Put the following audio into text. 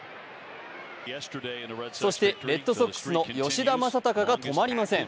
そしてレッドソックスの吉田正尚が止まりません。